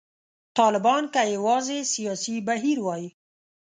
طالبان که یوازې سیاسي بهیر وای.